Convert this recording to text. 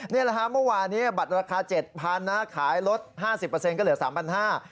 นี่แหละฮะเมื่อวานนี้บัตรราคา๗๐๐นะขายลด๕๐ก็เหลือ๓๕๐๐บาท